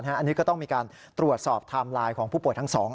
อันนี้ก็ต้องมีการตรวจสอบไทม์ไลน์ของผู้ป่วยทั้งสอง